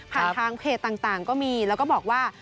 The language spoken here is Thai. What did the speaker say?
ทางเพจต่างก็มีแล้วก็บอกว่า